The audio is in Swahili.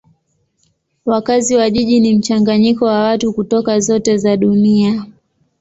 Wakazi wa jiji ni mchanganyiko wa watu kutoka zote za dunia.